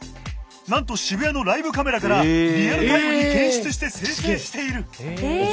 なんと渋谷のライブカメラからリアルタイムに検出して生成している。